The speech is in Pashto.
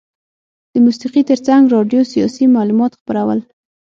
د موسیقي ترڅنګ راډیو سیاسي معلومات خپرول.